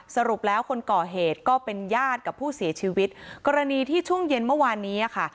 สรุปแล้วคนก่อเหตุก็เป็นญาติกับผู้เสียชีวิตกรณีที่ช่วงเย็นเมื่อวานนี้อ่ะค่ะ